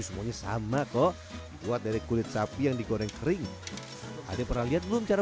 semuanya sama kok dibuat dari kulit sapi yang digoreng kering ada pernah lihat belum cara